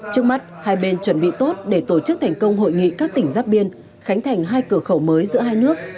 trước mắt hai bên chuẩn bị tốt để tổ chức thành công hội nghị các tỉnh giáp biên khánh thành hai cửa khẩu mới giữa hai nước